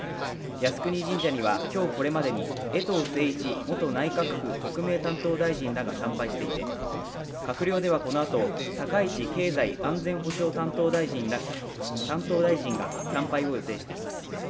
靖国神社には今日これまでに衛藤晟一元内閣府特命担当大臣らが参拝していて、閣僚ではこのあと、高市経済安全保障担当大臣が参拝を予定しています。